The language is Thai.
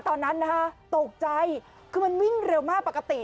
ตอนนั้นนะคะตกใจคือมันวิ่งเร็วมากปกติ